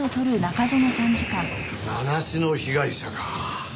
名無しの被害者か。